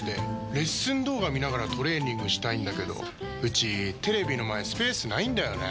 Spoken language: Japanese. レッスン動画見ながらトレーニングしたいんだけどうちテレビの前スペースないんだよねー。